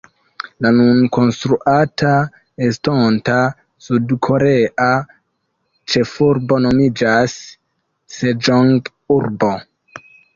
La nun konstruata estonta sud-korea ĉefurbo nomiĝas Seĝong-urbo.